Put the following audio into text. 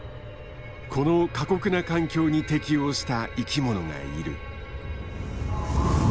この過酷な環境に適応した生きものがいる。